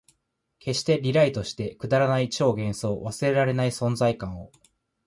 消して、リライトして、くだらない超幻想、忘れらない存在感を